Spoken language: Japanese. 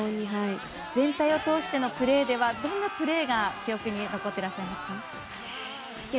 全体を通してのプレーではどんなプレーが記憶に残ってらっしゃいますか？